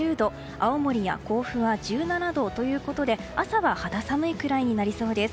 青森や甲府は１７度ということで朝は肌寒いくらいになりそうです。